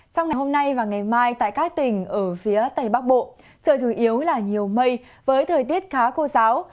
trong ngày hôm nay và ngày mai tại các tỉnh ở phía tây bắc bộ trời chủ yếu là nhiều mây với thời tiết khá khô giáo